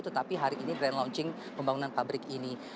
tetapi hari ini grand launching pembangunan pabrik ini